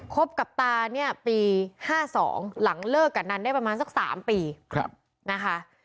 คบกับตาเนี่ยปี๕๒หลังเลิกกับนันได้ประมาณสัก๓ปีนะคะ